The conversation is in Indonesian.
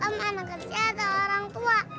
om anak kecil atau orang tua